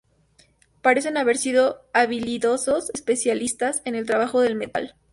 Parecen haber sido habilidosos especialistas en el trabajo del metal.